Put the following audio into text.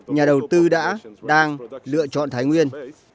nhà đầu tư đã đang lựa chọn thái nguyên